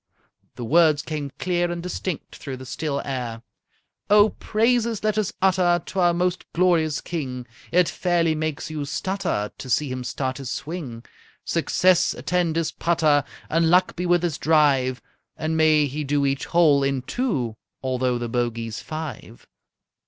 The words came clear and distinct through the still air: _"Oh, praises let us utter To our most glorious King! It fairly makes you stutter To see him start his swing! Success attend his putter! And luck be with his drive! And may he do each hole in two, Although the bogey's five!"